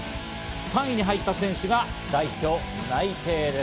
３位に入った選手が代表内定です。